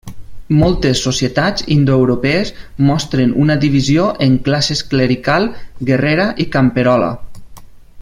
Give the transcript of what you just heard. Moltes societats indoeuropees mostren una divisió en classes clerical, guerrera i camperola.